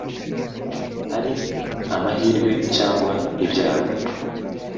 ari amahirwe cyangwa ibyago,